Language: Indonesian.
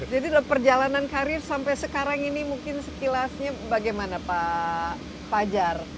jadi perjalanan karir sampai sekarang ini mungkin sekilasnya bagaimana pak fajar